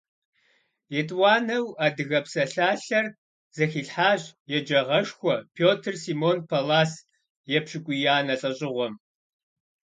ЕтӀуанэу адыгэ псалъалъэр зэхилъхьащ еджагъэшхуэ Пётр Симон Паллас епщыкӀуиянэ лӀэщӀыгъуэм.